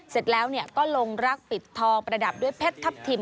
เสร็จแล้วก็ลงรักปิดทองประดับด้วยเพชรทัพทิม